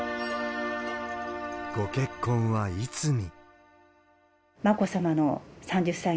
ご結婚はいつに。